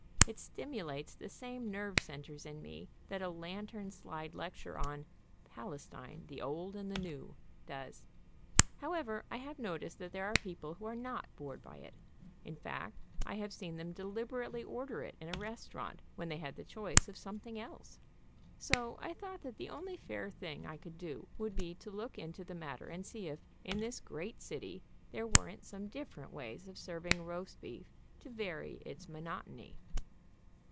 It stimulates the same nerve centers in me that a lantern slide lecture on "Palestine the Old and the New," does. However, I have noticed that there are people who are not bored by it; in fact, I have seen them deliberately order it in a restaurant when they had the choice of something else; so I thought that the only fair thing I could do would be to look into the matter and see if, in this great city, there weren't some different ways of serving roast beef to vary its monotony.